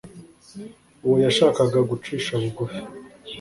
uwo yashakaga gucisha bugufi